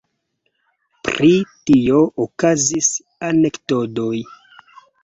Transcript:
Pri tio okazis anekdotoj.